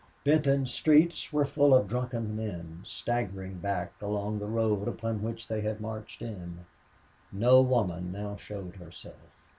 Benton's streets were full of drunken men, staggering back along the road upon which they had marched in. No woman now showed herself.